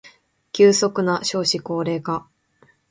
急速な少子高齢化